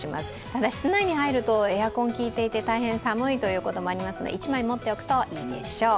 ただ室内に入ると、エアコンが効いていて非常に寒いということになりますので１枚持っておくといいでしょう。